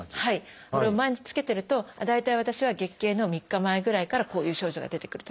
これを毎日つけてると大体私は月経の３日前ぐらいからこういう症状が出てくると。